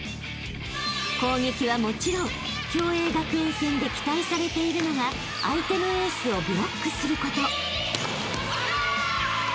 ［攻撃はもちろん共栄学園戦で期待されているのが相手のエースをブロックすること］